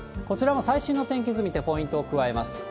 こちらの最新の天気図見て、ポイントを加えます。